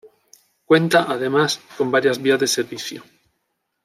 Cuenta, además con varias vías de servicio.